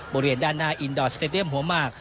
บริเวณด้านหน้าอินดอร์สเตดียมหัวหมาก